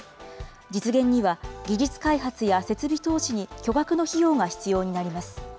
実現には、技術開発や設備投資に巨額の費用が必要になります。